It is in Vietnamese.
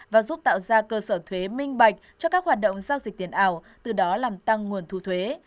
và giúp tạo ra cơ sở thuế minh bạch cho các hoạt động giao dịch tiền ảo từ đó làm tăng nguồn thu thuế